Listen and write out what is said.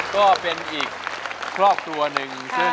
ก็เป็นอีกครอบตัวหนึ่ง